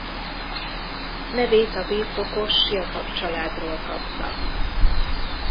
Nevét a birtokos Jakab családról kapta.